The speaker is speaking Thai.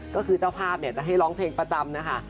ก็คือเจ้าภาพจะให้ร้องเพลงประจำนะคะ